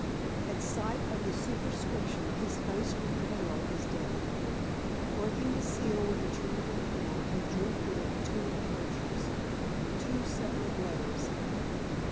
At sight of the superscription his face grew pale as death. Breaking the seal with a trembling hand, he drew forth two inclosures two separate letters.